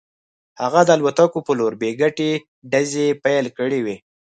هغه د الوتکو په لور بې ګټې ډزې پیل کړې وې